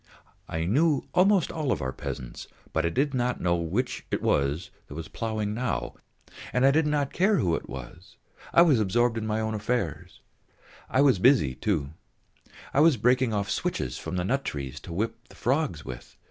I knew almost all our peasants, but I did not know which it was ploughing now, and I did not care who it was, I was absorbed in my own affairs. I was busy, too; I was breaking off switches from the nut trees to whip the frogs with.